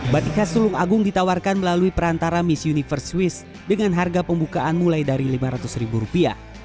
batik khas sulung agung ditawarkan melalui perantara miss universe swiss dengan harga pembukaan mulai dari rp lima ratus ribu rupiah